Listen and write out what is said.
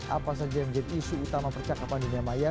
apa saja yang menjadi isu utama percakapan dunia maya